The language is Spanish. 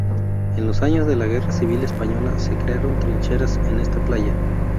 En los años de la guerra civil española, se crearon trincheras en esta playa.